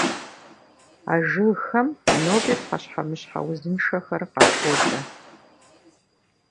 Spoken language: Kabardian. А жыгхэм ноби пхъэщхьэмыщхьэ узыншэхэр къапокӀэ.